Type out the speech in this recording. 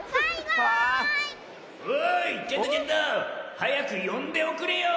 はやくよんでおくれよ。